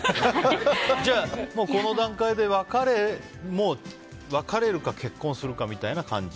じゃあ、この段階で別れるか結婚するかみたいな感じ。